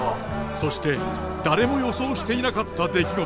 そして誰も予想していなかった出来事。